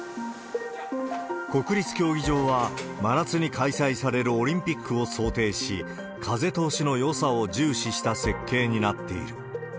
国立競技場は、真夏に開催されるオリンピックを想定し、風通しのよさを重視した設計になっている。